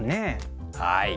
はい。